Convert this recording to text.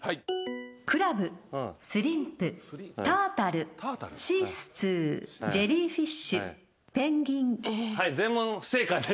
クラブスリンプタータルシースツージェリーフィッシュペンギン。